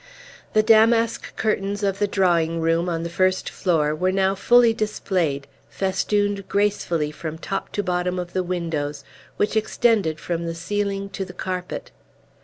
The damask curtains of the drawing room, on the first floor, were now fully displayed, festooned gracefully from top to bottom of the windows, which extended from the ceiling to the carpet.